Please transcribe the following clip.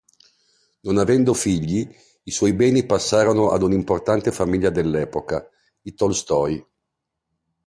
Non avendo figli, i suoi beni passarono ad un'importante famiglia dell'epoca, i Tolstoj.